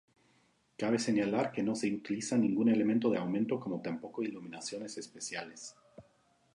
Cabe señalar que no se utiliza ningún elemento de aumento como tampoco iluminaciones especiales.